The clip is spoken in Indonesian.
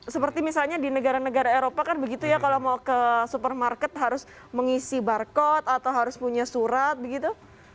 seperti misalnya di negara negara eropa kan begitu ya kalau mau ke supermarket harus mengisi barcode atau harus punya surat begitu